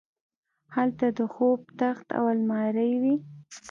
هلته د خوب تخت او المارۍ وې